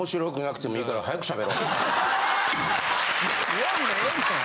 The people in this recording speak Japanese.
言わんでええねん。